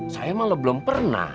saya malah belum pernah